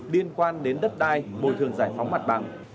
liên quan đến đất đai bồi thường giải phóng mặt bằng